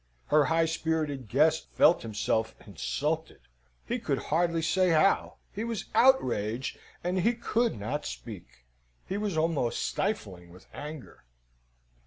Her high spirited guest felt himself insulted, he could hardly say how; he was outraged and he could not speak; he was almost stifling with anger.